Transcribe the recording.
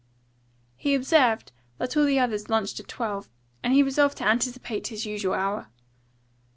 He observed that all the others lunched at twelve, and he resolved to anticipate his usual hour.